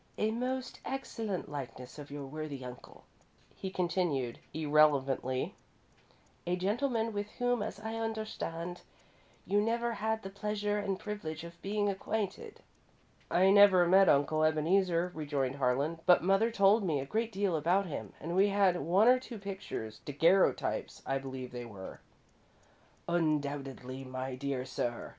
"A most excellent likeness of your worthy uncle," he continued, irrelevantly, "a gentleman with whom, as I understand, you never had the pleasure and privilege of becoming acquainted." "I never met Uncle Ebeneezer," rejoined Harlan, "but mother told me a great deal about him and we had one or two pictures daguerreotypes, I believe they were." "Undoubtedly, my dear sir.